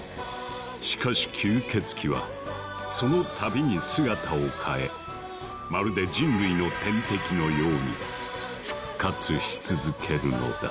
しかし吸血鬼はその度に姿を変えまるで人類の天敵のように復活し続けるのだ。